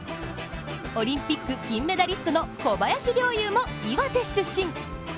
オリンピック金メダリストの小林陵侑も岩手出身。